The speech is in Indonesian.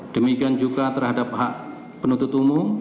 demikian juga terhadap hak penuntut umum